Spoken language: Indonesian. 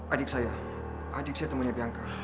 adik saya adik saya temannya piangka